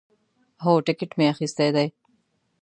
هو، ټیکټ می اخیستی دی